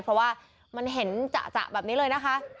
เพราะว่ามันเห็นจะแบบนี้เลยนะคะ